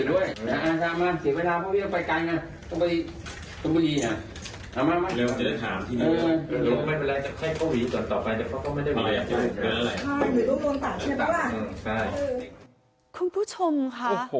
โอ้ยมีใครร่วมบอกว่าไปเดินเล่นห้างมา